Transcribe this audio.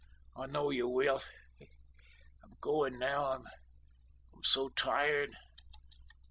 I know you will. I'm going now, I'm so tired.